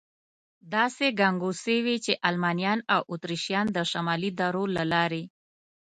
داسې ګنګوسې وې، چې المانیان او اتریشیان د شمالي درو له لارې.